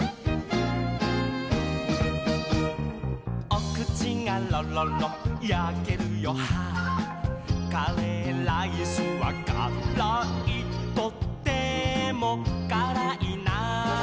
「おくちがろろろやけるよハアー」「カレーライスはからい」「とってもからいな」